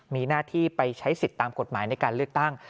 มีหน้าที่ไปใช้สิทธิ์ตามกฎหมายในการเลือกตั้ง